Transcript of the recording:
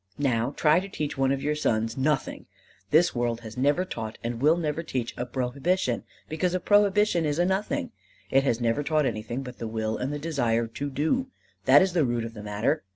Now try to teach one of your sons nothing! This world has never taught, and will never teach, a prohibition, because a prohibition is a nothing; it has never taught anything but the will and desire to do: that is the root of the matter.